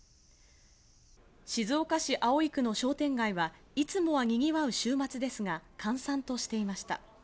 静岡市葵区の商店街は、いつもはにぎわう週末ですが、閑散としていました。